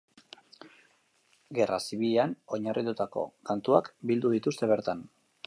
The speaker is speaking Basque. Gerra zibilean oinarritutako kantuak bildu dituzte bertan.